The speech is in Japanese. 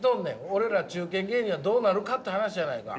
俺ら中堅芸人はどうなるかって話やないか！